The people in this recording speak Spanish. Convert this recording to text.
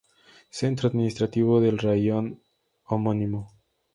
Centro administrativo del raión homónimo.